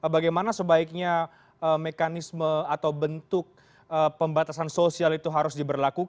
bagaimana sebaiknya mekanisme atau bentuk pembatasan sosial itu harus diberlakukan